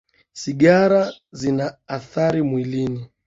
Sigara zina athari mwilini